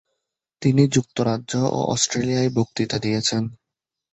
তিনি যুক্তরাজ্য এবং অস্ট্রেলিয়ায় বক্তৃতা দিয়েছেন।